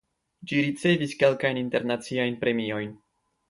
Ĝi ricevis kelkajn internaciajn premiojn.